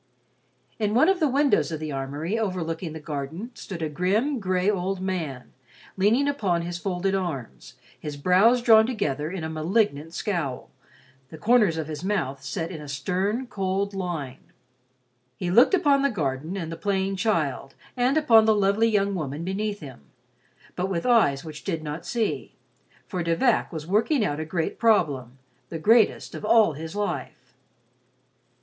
In one of the windows of the armory overlooking the garden stood a grim, gray, old man, leaning upon his folded arms, his brows drawn together in a malignant scowl, the corners of his mouth set in a stern, cold line. He looked upon the garden and the playing child, and upon the lovely young woman beneath him, but with eyes which did not see, for De Vac was working out a great problem, the greatest of all his life.